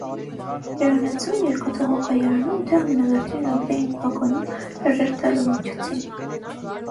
հյուրանոցո՞ւմ, երկաթուղու կայարանո՞ւմ, թե՞ ամենավերջին րոպեին, վագոնում, հրաժեշտ տալու միջոցին: